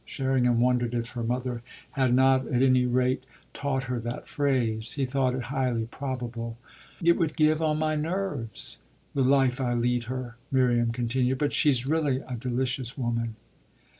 Sherringham wondered if her mother had not at any rate taught her that phrase he thought it highly probable. "It would give on my nerves, the life I lead her," Miriam continued; "but she's really a delicious woman."